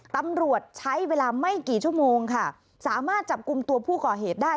ตำรวจใช้เวลาไม่กี่ชั่วโมงค่ะสามารถจับกลุ่มตัวผู้ก่อเหตุได้